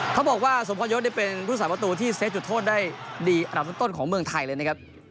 เขาบอกว่าสมพรยศเป็นผู้สาประตูที่เซตจุดโทษได้ดีอันดับต้นของเมืองไทยเลยนะครับ